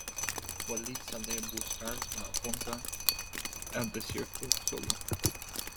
Walid sale a buscar la alfombra al desierto, solo.